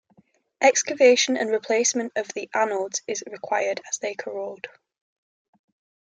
Excavation and replacement of the anodes is required as they corrode.